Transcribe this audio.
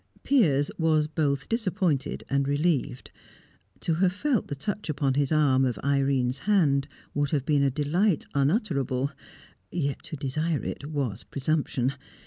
Piers was both disappointed and relieved. To have felt the touch upon his arm of Irene's hand would have been a delight unutterable, yet to desire it was presumption.